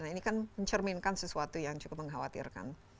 nah ini kan mencerminkan sesuatu yang cukup mengkhawatirkan